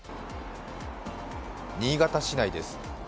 新潟市内です。